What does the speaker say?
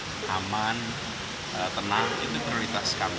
yang aman tenang itu prioritas kami